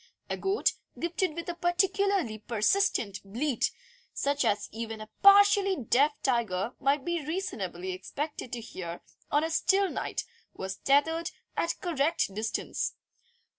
A goat, gifted with a particularly persistent bleat, such as even a partially deaf tiger might be reasonably expected to hear on a still night, was tethered at the correct distance.